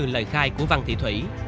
lời khai của văn thị thủy